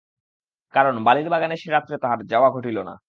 কারণ বালির বাগানে সে রাত্রে তাহার যাওয়া ঘটিল না।